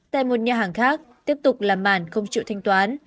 tại một nhà hàng khác tiếp tục là màn không chịu thanh toán